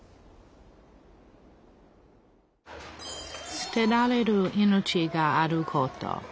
すてられる命があること